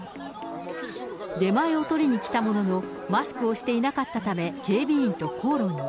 出前を取りに来たものの、マスクをしていなかったため、警備員と口論に。